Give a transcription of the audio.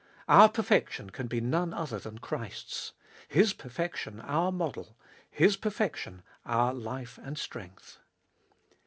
Our perfection can be none other than Christ's : His perfection our model, His perfection our life and strength.